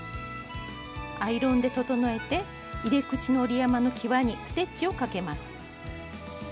アイロンで整えて入れ口の折り山のきわにステッチをかけます。